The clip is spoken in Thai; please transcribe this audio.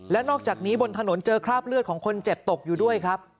และนอกจากนี้บนถนนเจอคราบเลือดของคนเจ็บตกอยู่ด้วยครับ